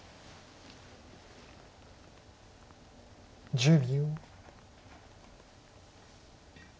１０秒。